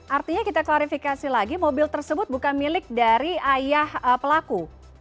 artinya kita klarifikasi lagi mobil tersebut bukan milik dari ayah pelaku